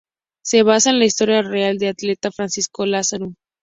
Se basa en la historia real del atleta Francisco Lázaro.